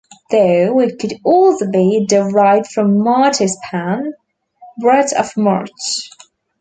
Though, it could also be derived from martis pan, bread of March.